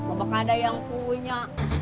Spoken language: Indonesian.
apakah ada yang punya